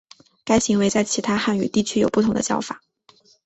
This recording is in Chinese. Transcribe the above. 该行为在其他汉语地区有不同的叫法。